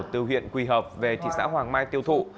từ huyện quỳ hợp về thị xã hoàng mai tiêu thụ